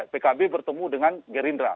pks bertemu dengan gerindra